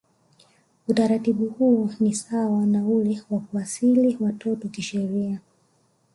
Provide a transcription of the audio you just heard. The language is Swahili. Utaratibu huo ni sawa na ule wa kuasili watoto kisheria